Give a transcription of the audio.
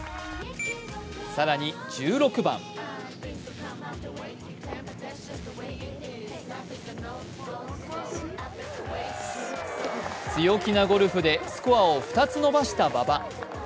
更に１６番強気なゴルフでスコアを２つ伸ばした馬場。